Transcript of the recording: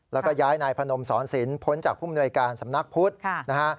แล้วก็ย้ายนายพนมสอนศิลป้นจากผู้มนวยการสำนักพุทธนะฮะ